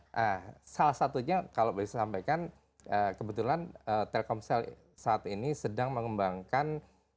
nah salah satunya kalau bisa disampaikan kebetulan telkomsel saat ini sedang mengembangkan